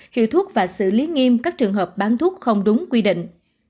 hiệu thuốc và xử lý nghiêm các trường hợp bán thuốc không đúng quy định